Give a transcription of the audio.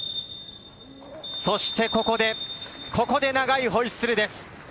そしてここで、ここで長いホイッスルです。